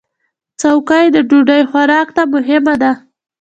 چوکۍ د ډوډۍ خوراک ته مهمه ده.